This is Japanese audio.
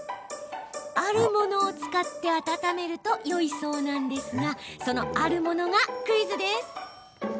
あるものを使ってあたためるとよいそうなんですがその、あるものがクイズです。